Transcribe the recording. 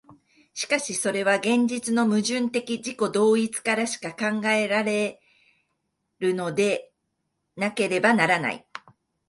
しかしそれは現実の矛盾的自己同一からしか考えられるのでなければならない。